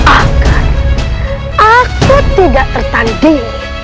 agar aku tidak tertandingi